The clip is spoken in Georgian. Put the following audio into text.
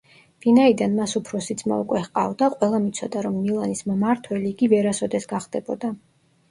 ვინაიდან მას უფროსი ძმა უკვე ჰყავდა, ყველამ იცოდა, რომ მილანის მმართველი იგი ვერასოდეს გახდებოდა.